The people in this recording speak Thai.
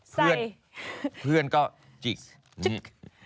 เพื่อนเพื่อนก็จิกจิก